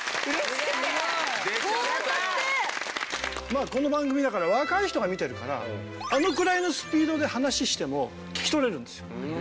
まあこの番組だから若い人が見てるからあのくらいのスピードで話しても聞き取れるんですよ。